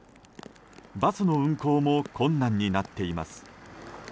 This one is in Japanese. バスの運行も困難になっています。